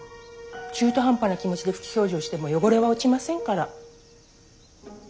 中途半端な気持ちで拭き掃除をしても汚れは落ちませんから。